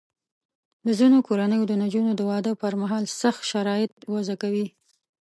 د ځینو کورنیو د نجونو د واده پر مهال سخت شرایط وضع کوي.